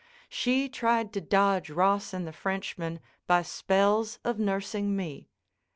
She tried to dodge Ross and the Frenchman by spells of nursing me.